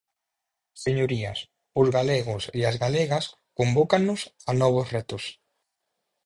Señorías, os galegos e as galegas convócannos a novos retos.